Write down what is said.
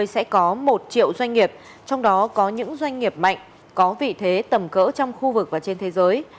sẽ có một triệu doanh nghiệp trong đó có những doanh nghiệp mạnh có vị thế tầm cỡ trong khu vực và trên thế giới